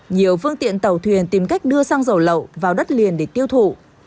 nhiều phương tiện tàu thuyền tìm cách đưa xăng dầu lậu vào đất liền để tiêu thụ